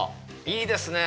いいですね。